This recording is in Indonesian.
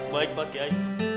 baik pak tiai